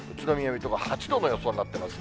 水戸が８度の予想になってます。